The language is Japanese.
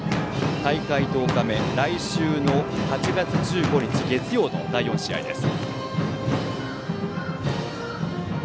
大会１０日目来週の８月１５日、月曜日の第４試合です。